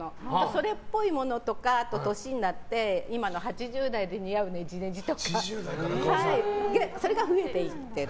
それっぽいものとか年になって今の８０代で似合う、ねじねじとかそれが増えていって。